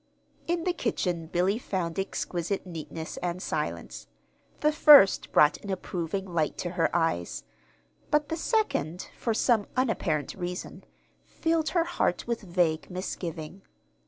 In the kitchen Billy found exquisite neatness, and silence. The first brought an approving light to her eyes; but the second, for some unapparent reason, filled her heart with vague misgiving.